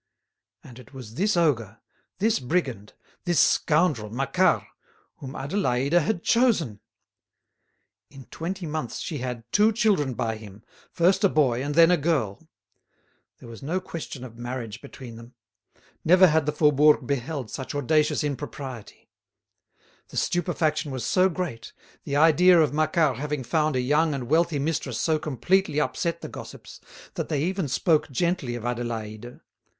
And it was this ogre, this brigand, this scoundrel Macquart, whom Adélaïde had chosen! In twenty months she had two children by him, first a boy and then a girl. There was no question of marriage between them. Never had the Faubourg beheld such audacious impropriety. The stupefaction was so great, the idea of Macquart having found a young and wealthy mistress so completely upset the gossips, that they even spoke gently of Adélaïde.